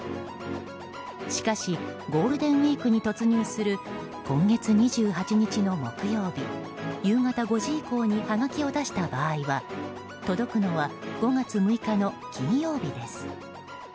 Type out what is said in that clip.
しかしゴールデンウィークに突入する今月２８日の木曜日夕方５時以降にはがきを出した場合は届くのは５月６日の金曜日です。